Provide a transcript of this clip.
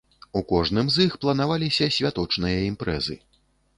У кожным з іх планаваліся святочныя імпрэзы.